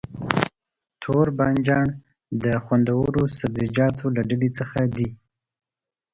توربانجان د خوندورو سبزيجاتو له ډلې څخه دی.